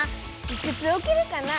いくつおけるかな？